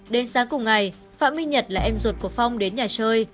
đến sáng cùng ngày phạm minh nhật là em ruột của phong đến nhà chơi